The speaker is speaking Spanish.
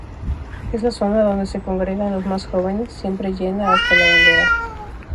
Es la zona donde se congregan los más jóvenes, siempre llena hasta la bandera.